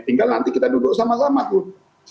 tinggal nanti kita duduk sama sama tuh